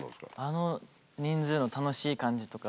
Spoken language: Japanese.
あの人数の楽しい感じとか。